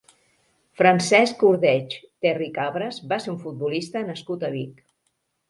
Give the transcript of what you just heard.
Francesc Ordeig Terricabres va ser un futbolista nascut a Vic.